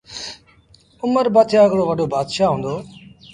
اُمر بآتشآه هڪڙو وڏو بآتشآه هُݩدو،